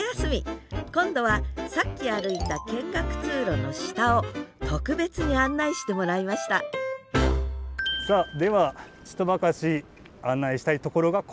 今度はさっき歩いた見学通路の下を特別に案内してもらいましたさあではちとばかし案内したいところがこの場所でござりまする。